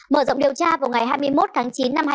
mở rộng điều tra vào ngày hai mươi một tháng chín năm hai nghìn